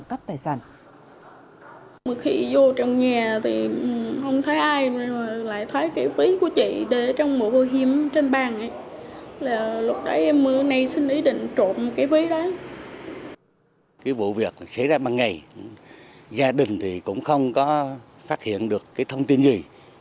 cái vụ việc xảy ra bằng ngày gia đình thì cũng không có phát hiện được cái thông tin gì